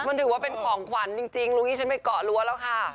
มันถือว่าเป็นของขวัญจริงลุงอี้ฉันไปเกาะรั้วแล้วค่ะ